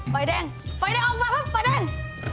ฝ่ายแดงฝ่ายแดงออกมาครับฝ่ายแดง